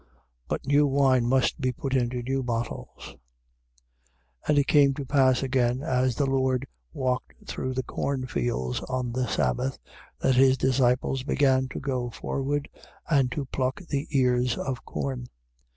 But new wine must be put into new bottles. 2:23. And it came to pass again, as the Lord walked through the corn fields on the sabbath, that his disciples began to go forward and to pluck the ears of corn.